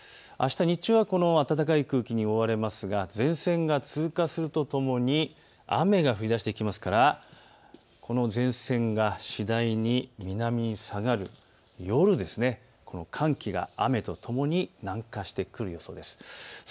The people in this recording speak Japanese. あした日中は暖かい空気に覆われますが前線が通過するとともに雨が降りだしてきますからこの前線が次第に南に下がる夜、寒気が雨とともに南下してくる予想です。